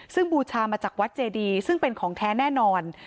ซึ่งบูชามาจากวัดเจดีซึ่งเป็นของแท้แน่นอน